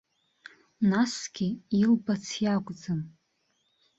Насгьы илбац иакәӡам.